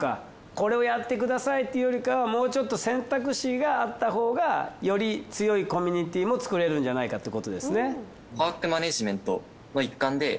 これをやってくださいっていうよりかはもうちょっと選択肢があったほうがより強いコミュニティーも作れるんじゃないかってことですね。